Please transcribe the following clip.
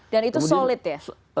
dan itu solid ya